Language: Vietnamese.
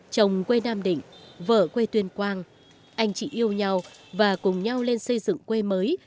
chồng quê nam định vợ quê tuyên quang anh chị yêu nhau và cùng nhau lên xây dựng quê mới